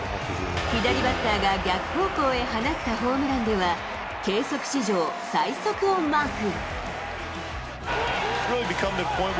左バッターが逆方向へ放ったホームランでは、計測史上最速をマーク。